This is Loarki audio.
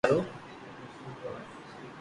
پر آ وات ني جوڻيا ھارون